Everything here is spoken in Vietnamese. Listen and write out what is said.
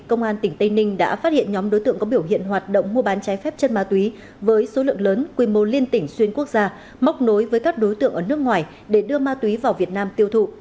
công an tỉnh tây ninh đã phát hiện nhóm đối tượng có biểu hiện hoạt động mua bán trái phép chân ma túy với số lượng lớn quy mô liên tỉnh xuyên quốc gia móc nối với các đối tượng ở nước ngoài để đưa ma túy vào việt nam tiêu thụ